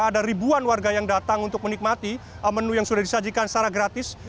ada ribuan warga yang datang untuk menikmati menu yang sudah disajikan secara gratis